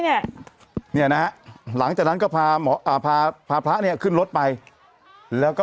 เนี่ยเนี่ยนะฮะหลังจากนั้นก็พาหมออ่าพาพาพระเนี่ยขึ้นรถไปแล้วก็